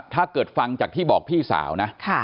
ถ้าเกิดฟังจากที่บอกพี่สาวนะ